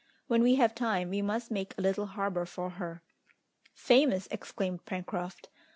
When we have time, we must make a little harbour for her." "Famous!" exclaimed Pencroft.